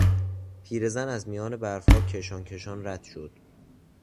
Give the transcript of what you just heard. پیرزن از میان برفها کشان کشان رد شد.